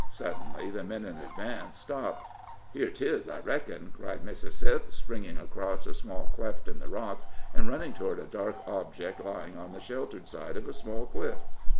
Suddenly the men in advance stopped. "Here 'tis, I reckon!" cried Mississip, springing across a small cleft in the rocks, and running toward a dark object lying on the sheltered side of a small cliff.